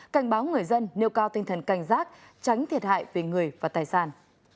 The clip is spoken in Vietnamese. cảnh báo người dân nêu cao tinh thần cảnh giác tránh thiệt hại về người và tài sản